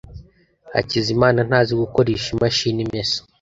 Hakizimana ntazi gukoresha imashini imesa.